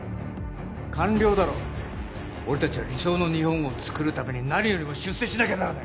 官僚だろ俺達は理想の日本をつくるために何よりも出世しなきゃならない